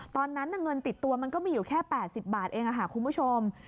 ตอนนั้นเงินติดตัวมันก็มีอยู่แค่๘๐บาทเองค่ะคุณผู้ชม